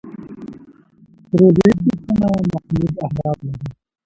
پروژوي فکرونه محدود اهداف لري.